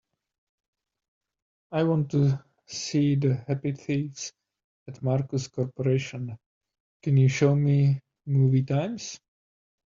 I want to see The Happy Thieves at Marcus Corporation, can you show me movie times